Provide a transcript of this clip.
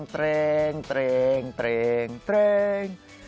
เตรงเตรงเตรงเตรง